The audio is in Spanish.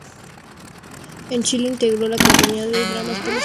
En Chile integró la Compañía de dramas policiales, dirigida por Ramón Caral.